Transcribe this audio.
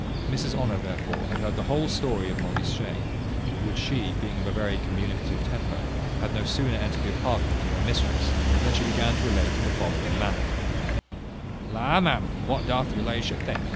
Mrs Honour, therefore, had heard the whole story of Molly's shame; which she, being of a very communicative temper, had no sooner entered the apartment of her mistress, than she began to relate in the following manner: "La, ma'am, what doth your la'ship think?